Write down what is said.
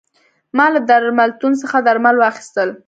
ما له درملتون څخه درمل واخیستل.